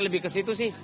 lebih ke situ sih